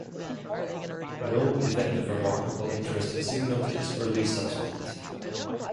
No event of remarkable interest signaled its early settlement.